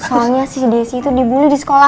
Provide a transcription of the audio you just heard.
soalnya si desi itu dibully di sekolah